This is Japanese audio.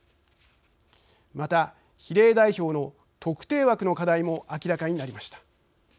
また、比例代表の特定枠の課題も明らかになりました。